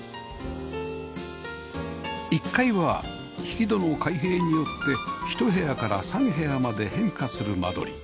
１階は引き戸の開閉によって１部屋から３部屋まで変化する間取り